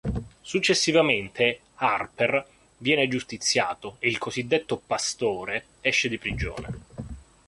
Successivamente Harper viene giustiziato e il cosiddetto pastore esce di prigione.